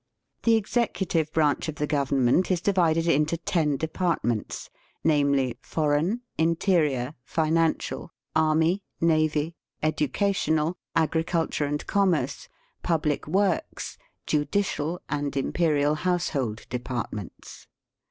The executive branch of the Government is divided into ten departments, namely, foreign, interior, financial, army, navy, educational, agriculture and commerce, public works, judicial, and imperial household depart ments.